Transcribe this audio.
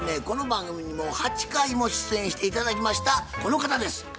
この番組にもう８回も出演して頂きましたこの方です。